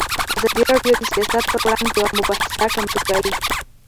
ازادي راډیو د سیاست پر وړاندې یوه مباحثه چمتو کړې.